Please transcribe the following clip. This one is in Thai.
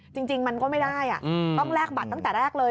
จริงมันก็ไม่ได้ต้องแลกบัตรตั้งแต่แรกเลย